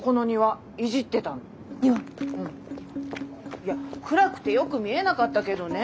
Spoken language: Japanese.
いや暗くてよく見えなかったけどね